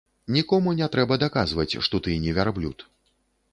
Нікому не трэба даказваць, што ты не вярблюд.